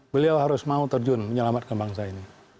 beliau harus mau terjun menyelamatkan bangsa ini